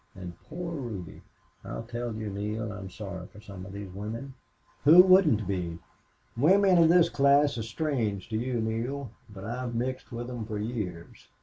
And poor Ruby! I'll tell you, Neale, I'm sorry for some of these women." "Who wouldn't be?" "Women of this class are strange to you, Neale. But I've mixed with them for years.